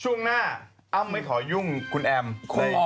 ช่วงหน้าอ้ำไม่ขอยุ่งคุณแอมคงออกไปแล้ว